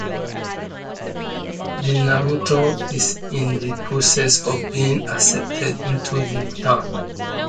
The narrator is in the process of being accepted into the Town.